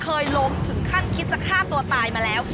เคยล้มถึงขั้นคิดจะฆ่าตัวตายมาแล้ว